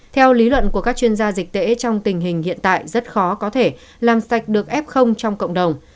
theo lý luận của các chuyên gia dịch tễ trong tình hình hiện tại rất khó có thể làm sạch được f trong cộng đồng